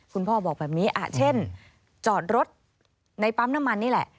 พ่อบอกแบบนี้เช่นจอดรถในปั๊มน้ำมันนี่แหละ